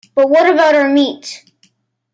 But what about our meat?